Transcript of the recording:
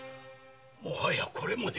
もはやこれまで。